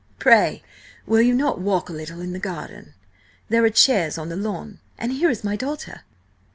Pray, will you not walk a little in the garden? There are chairs on the lawn–and here is my daughter."